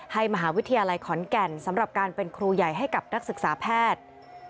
มหาวิทยาลัยขอนแก่นสำหรับการเป็นครูใหญ่ให้กับนักศึกษาแพทย์